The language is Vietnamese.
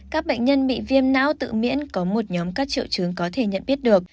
các bệnh nhân bị viêm não tự miễn có một nhóm các triệu chứng có thể nhận biết được